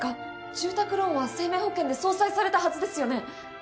住宅ローンは生命保険で相殺されたはずですよね！？